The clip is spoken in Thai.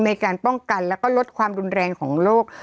ในการป้องกันแล้วก็ลดความรุนแรงของโลก